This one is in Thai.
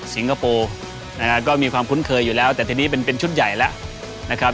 คโปร์นะครับก็มีความคุ้นเคยอยู่แล้วแต่ทีนี้เป็นชุดใหญ่แล้วนะครับ